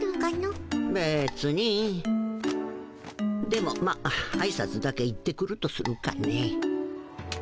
でもまああいさつだけ行ってくるとするかね。